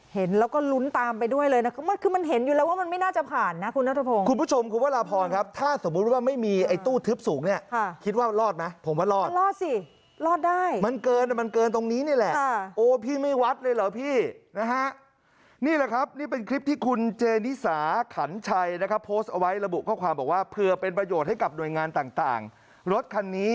เห็นแล้วก็ลุ้นตามไปด้วยเลยนะก็มันคือมันเห็นอยู่แล้วว่ามันไม่น่าจะผ่านนะคุณนัทธพงค์คุณผู้ชมคุณพระราบพรครับถ้าสมมุติว่าไม่มีไอ้ตู้ทึบสูงเนี่ยคิดว่ารอดนะผมว่ารอดรอดสิรอดได้มันเกินมันเกินตรงนี้นี่แหละโอ้พี่ไม่วัดเลยเหรอพี่นะฮะนี่แหละครับนี่เป็นคลิปที่คุณเจนิสาขันชัยนะคร